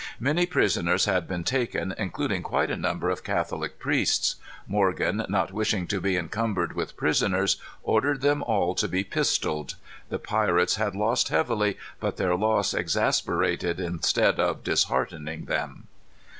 Many prisoners had been taken, including quite a number of Catholic priests. Morgan, not wishing to be encumbered with prisoners, ordered them all to be pistolled. The pirates had lost heavily, but their loss exasperated instead of disheartening them.